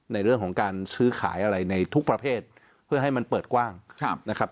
ในเรื่องของการซื้อขายอะไรในทุกประเภทเพื่อให้มันเปิดกว้างนะครับ